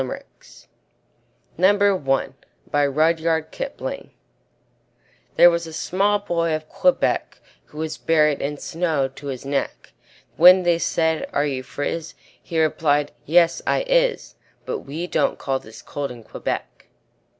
EDWARD LEAR MORE LIMERICKS There was a small boy of Quebec, Who was buried in snow to his neck; When they said. "Are you friz?" He replied, "Yes, I is But we don't call this cold in Quebec."